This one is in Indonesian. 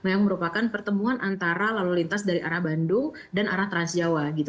yang merupakan pertemuan antara lalu lintas dari arah bandung dan arah transjawa gitu